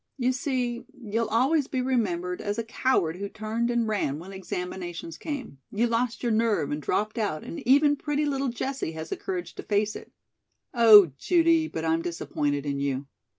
You see, you'll always be remembered as a coward who turned and ran when examinations came you lost your nerve and dropped out and even pretty little Jessie has the courage to face it. Oh, Judy, but I'm disappointed in you.